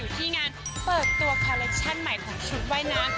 จริงมันคนชอบใส่ชุดเว้ยน้ำ